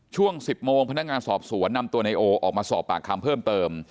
ช่วง๑๐โมงพนักงานสอบสวนนำตัวนายโอออกมาสอบปากคำเพิ่มเติม